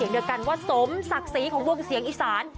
สมศักดิ์สังค์สีของเวืองเสียงอีศาน